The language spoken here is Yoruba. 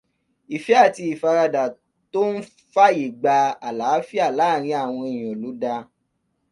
Ìfẹ́ àti ìfaradà tó ń fáàyè gba àlàáfíà láàárín àwọn èèyàn ló dáa.